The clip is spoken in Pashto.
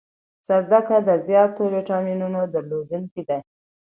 زردکه د زیاتو ویټامینونو درلودنکی ده